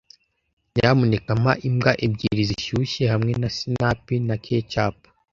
Nyamuneka mpa imbwa ebyiri zishyushye hamwe na sinapi na ketchup.